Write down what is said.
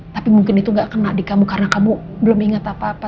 tapi mungkin itu gak kena di kamu karena kamu belum ingat apa apa